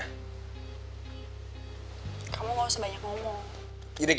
kamu gak usah banyak ngomong